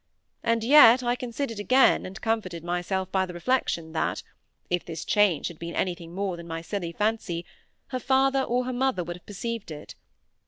And yet I considered again, and comforted myself by the reflection that, if this change had been anything more than my silly fancy, her father or her mother would have perceived it.